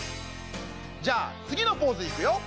じゃあつぎのポーズいくよ。